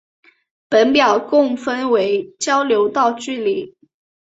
本表共分为交流道距离。